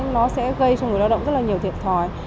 nó sẽ gây cho người lao động rất là nhiều thiệt thòi